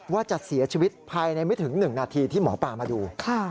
ว่าจะเสียชีวิตภายในไม่ถึง๑นาทีที่หมอปลามาดู